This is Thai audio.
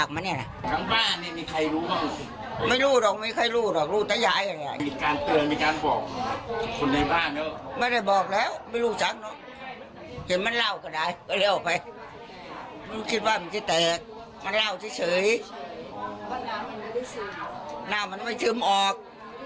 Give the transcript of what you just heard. มันไม่ชึมออก